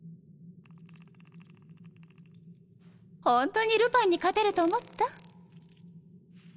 ホントにルパンに勝てると思った？